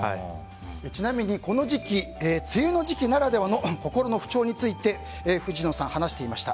ちなみに、この時期梅雨の時期ならではの心の不調について藤野さん、話していました。